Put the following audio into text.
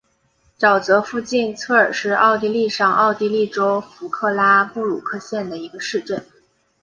沼泽附近策尔是奥地利上奥地利州弗克拉布鲁克县的一个市镇。